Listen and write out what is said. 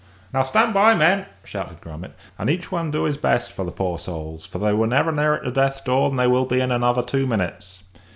"Now stand by, men," shouted Grummet, "and each one do his best for the poor souls; for they were never nearer to death's door than they will be in another two minutes.